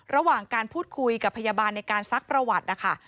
ระหว่างการพูดคุยกับพยาบาลในการซักประวัตินะคะ